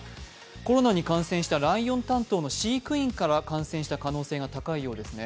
コロナに感染したライオン担当の飼育員から感染した可能性が高いですね。